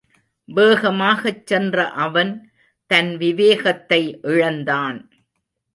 வேகமாகச் சென்ற அவன் தன் விவேகத்தை இழந்தான்.